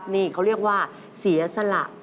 นี่เขาเรียกว่าเสียสละ